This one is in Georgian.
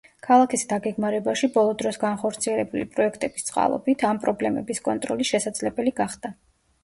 ქალაქის დაგეგმარებაში ბოლო დროს განხორციელებული პროექტების წყალობით, ამ პრობლემების კონტროლი შესაძლებელი გახდა.